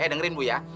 eh dengerin bu ya